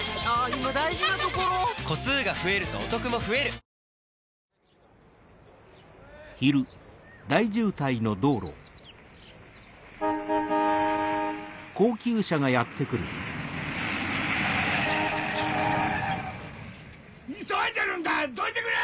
三菱電機急いでるんだどいてくれ！